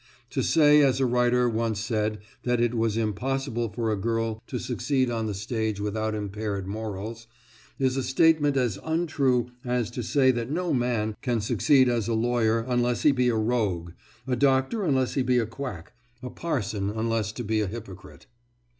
To say, as a writer once said, that it was impossible for a girl to succeed on the stage without impaired morals, is a statement as untrue as to say that no man can succeed as a lawyer unless he be a rogue, a doctor unless he be a quack, a parson unless be be a hypocrite.